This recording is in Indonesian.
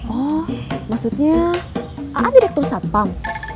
oh maksudnya direktur satpam